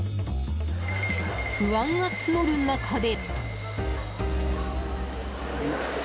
不安が募る中で。